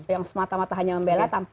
yang semata mata hanya membela